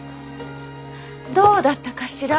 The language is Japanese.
どうだったかしら。